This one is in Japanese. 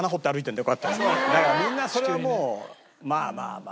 みんなそれはもうまあまあまあ。